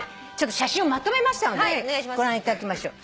写真をまとめましたのでご覧いただきましょう。